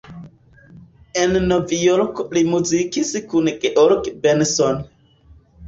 En Novjorko li muzikis kun George Benson.